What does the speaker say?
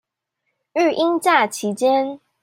育嬰假期間